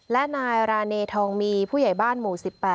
และนายราเนทองมีผู้ใหญ่บ้านหมู่๑๘